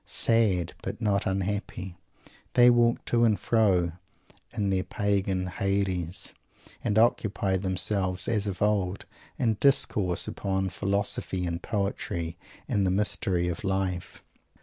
Sad, but not unhappy, they walk to and fro in their Pagan Hades, and occupy themselves, as of old, in discoursing upon philosophy and poetry and the Mystery of Life.